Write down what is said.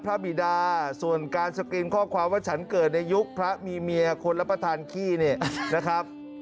บิดาส่วนการสกรีนข้อความว่าฉันเกิดในยุคพระมีเมียคนรับประทานขี้เนี่ยนะครับ